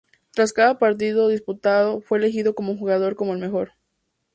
Tras cada partido disputado, fue elegido un jugador como el mejor.